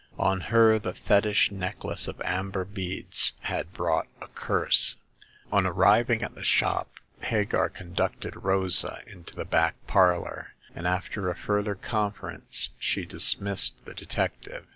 On her the fetish necklace of amber beads had brought a curse. On arriving at the shop Hagar conducted Rosa into the back parlor ; and after a further confer ence she dismissed the detective.